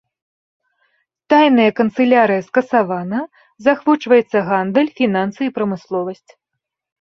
Тайная канцылярыя скасавана, заахвочваецца гандаль, фінансы і прамысловасць.